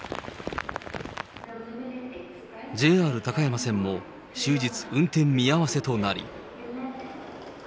ＪＲ高山線も終日、運転見合わせとなり。